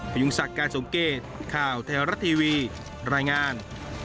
พยุงศักดิ์การสมเกตข่าวไทยรัฐทีวีรายงาน